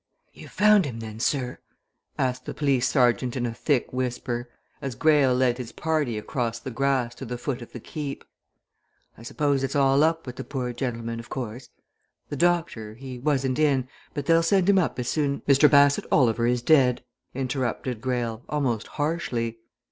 "You've found him, then, sir?" asked the police sergeant in a thick whisper, as Greyle led his party across the grass to the foot of the Keep. "I suppose it's all up with the poor gentleman; of course? The doctor, he wasn't in, but they'll send him up as soon " "Mr. Bassett Oliver is dead," interrupted Greyle, almost harshly.